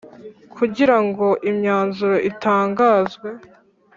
kugira ngo imyanzuro itangazwe